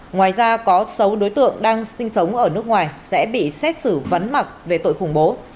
ngoài ra có sáu đối tượng đang sinh sống ở nước ngoài sẽ bị xét xử vắng mặt về tội khủng bố